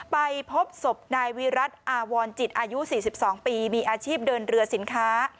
ไปพบศพนายวิรัติอาวรจิตอายุ๔๒ปีมีอาชีพเดินเรือสินค้า